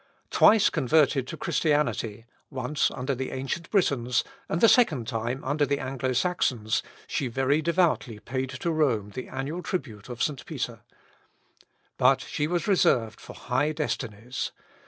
Twice converted to Christianity, once under the ancient Britons, and the second time under the Anglo Saxons, she very devoutly paid to Rome the annual tribute of St. Peter. But she was reserved for high destinies.